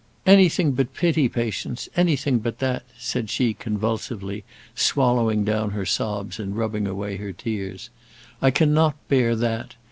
"Anything but pity, Patience; anything but that," said she, convulsively, swallowing down her sobs, and rubbing away her tears. "I cannot bear that.